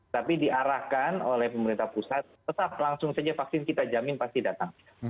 tapi diarahkan oleh pemerintah pusat tetap langsung saja vaksin kita jamin pasti datang